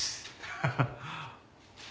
ハハハッ。